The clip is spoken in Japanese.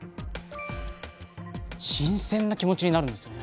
新鮮な気持ちになるんですよね。